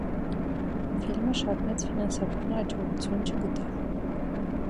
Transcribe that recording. Ֆիլմը շատ մեծ ֆինանսական յաջողութիւն չգտաւ։